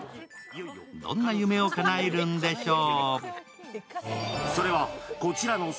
どんな夢をかなえるんでしょう。